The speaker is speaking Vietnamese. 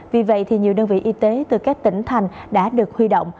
vì vậy nhiều đơn vị y tế từ các tỉnh thành đã được huy động